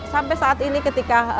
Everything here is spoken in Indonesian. sampai saat ini ketika